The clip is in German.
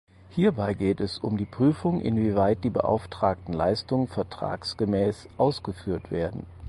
Hierbei geht es um die Prüfung inwieweit die beauftragten Leistungen vertragsgemäß ausgeführt werden.